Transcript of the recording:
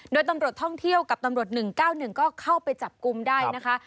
โดยตำรวจท่องเที่ยวกับตำรวจ๑๙๑ก็เข้าไปจับกลุ่มได้นะคะ